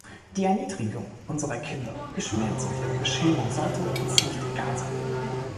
Die Erniedrigung unserer Kinder, ihr Schmerz und ihre Beschämung sollte uns nicht egal sein.